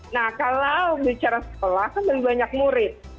nah kalau bicara sekolah kan belum banyak murid